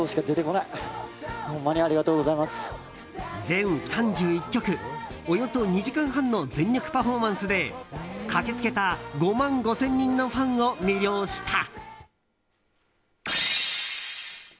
全３１曲、およそ２時間半の全力パフォーマンスで駆け付けた５万５０００人のファンを魅了した。